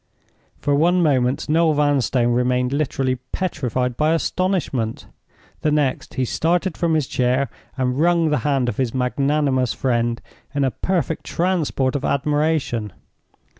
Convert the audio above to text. For one moment Noel Vanstone remained literally petrified by astonishment. The next, he started from his chair and wrung the hand of his magnanimous friend in a perfect transport of admiration.